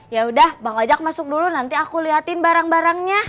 ya udah bang ajak masuk dulu nanti aku liatin barang barangnya